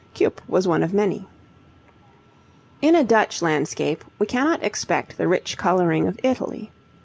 Cuyp was one of many. In a Dutch landscape we cannot expect the rich colouring of Italy.